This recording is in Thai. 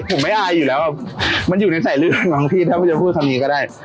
ผมไม่อายอยู่แล้วมันอยู่ในใส่เรื่องบางทีถ้าไม่พูดคำนี้ก็ได้